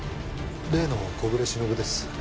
例の小暮しのぶです。